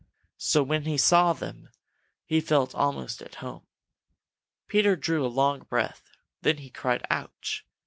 So when he saw them, he felt almost at home. Peter drew a long breath. Then he cried "Ouch!"